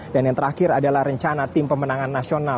dan yang terakhir adalah rencana tim pemenangan nasional